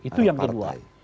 itu yang kedua